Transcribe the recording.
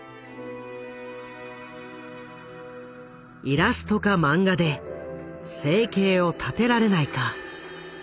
「イラストか漫画で生計を立てられないか」。